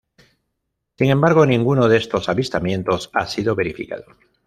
Sin embargo, ninguno de estos avistamientos ha sido verificado.